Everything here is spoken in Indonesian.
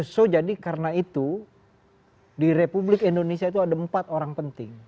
so jadi karena itu di republik indonesia itu ada empat orang penting